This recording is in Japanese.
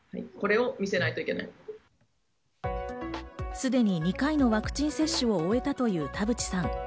すでに２回のワクチン接種を終えたという田淵さん。